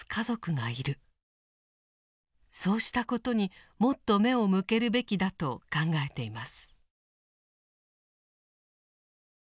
そうしたことにもっと目を向けるべきだと考えています。